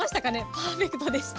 パーフェクトでした。